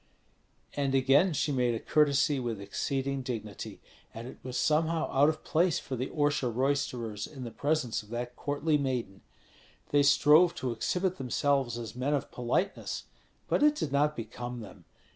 And again she made a courtesy with exceeding dignity, and it was somehow out of place for the Orsha roisterers in the presence of that courtly maiden. They strove to exhibit themselves as men of politeness, but it did not become them.